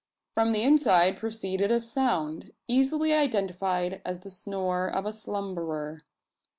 From the inside proceeded a sound, easily identified as the snore of a slumberer.